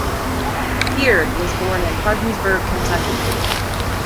Beard was born in Hardinsburg, Kentucky.